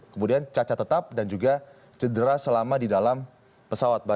kemudian cacat tetap dan juga cedera selama di dalam pesawat